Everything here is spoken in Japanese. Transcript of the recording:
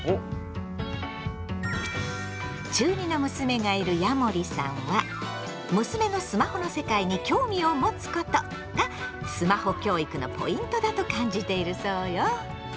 中２の娘がいるヤモリさんは「娘のスマホの世界に興味を持つこと」がスマホ教育のポイントだと感じているそうよ。